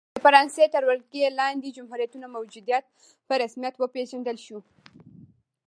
د فرانسې تر ولکې لاندې جمهوریتونو موجودیت په رسمیت وپېژندل شو.